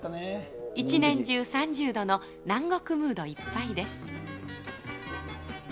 一年中３０度の南国ムードいっぱいです。